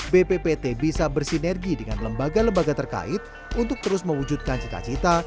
bppt bisa bersinergi dengan lembaga lembaga terkait untuk terus mewujudkan cita cita